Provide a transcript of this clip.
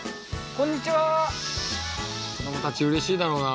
こんにちは子どもたちうれしいだろうな